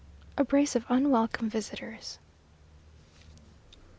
A BRACE OF UNWELCOME VISITORS.